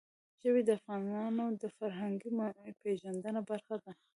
ژبې د افغانانو د فرهنګي پیژندنې برخه ده.